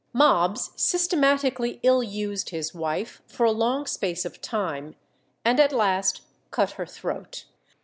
Mobbs systematically ill used his wife for a long space of time, and at last cut her throat.